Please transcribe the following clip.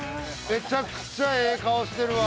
めちゃくちゃええ顔してるわ。